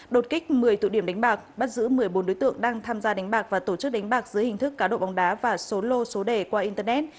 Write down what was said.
đột kích một mươi tụ điểm đánh bạc bắt giữ một mươi bốn đối tượng đang tham gia đánh bạc và tổ chức đánh bạc dưới hình thức cá độ bóng đá và số lô số đề qua internet